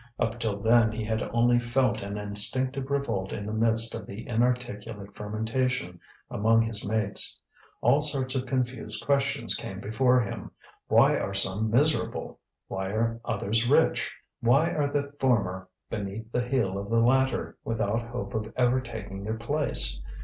Up till then he had only felt an instinctive revolt in the midst of the inarticulate fermentation among his mates. All sorts of confused questions came before him: Why are some miserable? why are others rich? why are the former beneath the heel of the latter without hope of ever taking their place?